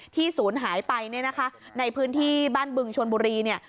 ศูนย์หายไปเนี่ยนะคะในพื้นที่บ้านบึงชนบุรีเนี่ย